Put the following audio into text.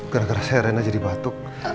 gara gara saya erena jadi batuk